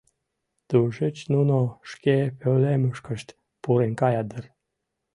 Тушеч нуно шке пӧлемышкышт пурен каят дыр.